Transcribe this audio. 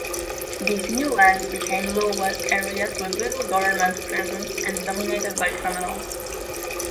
These new lands became lawless areas with little government presence and dominated by criminals.